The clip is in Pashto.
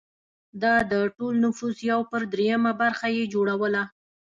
دا د ټول نفوس یو پر درېیمه برخه یې جوړوله